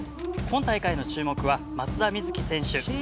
今大会の注目は松田瑞生選手。